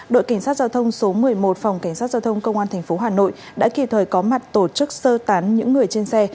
đội cảnh sát giao thông số một mươi một phòng cảnh sát giao thông công an tp hà nội đã kịp thời có mặt tổ chức sơ tán những người trên xe